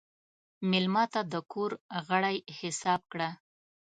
مېلمه ته د کور غړی حساب کړه.